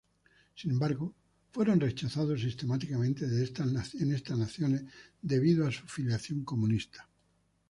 Sin embargo, fueron rechazados sistemáticamente en estas naciones debido a su filiación comunista.